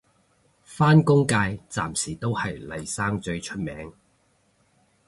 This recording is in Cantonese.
返工界暫時都係嚟生最出名